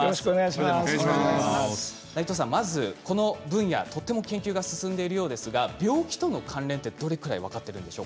まずこの分野とっても研究が進んでいるようですが病気との関連ってどれくらい分かってるんでしょうか？